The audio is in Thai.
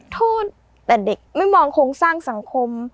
โทษแต่เด็กไม่มองโครงสร้างสังคม